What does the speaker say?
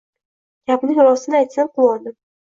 Gapning rostini aytsam quvondim